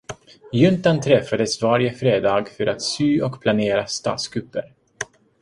Juntan träffades varje fredag för att sy och planera statskupper.